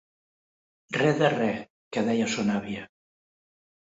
Re de re, que deia son àvia.